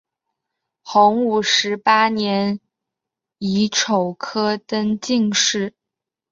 洪武十八年乙丑科登进士。